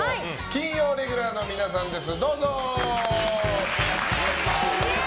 金曜レギュラーの皆さんです。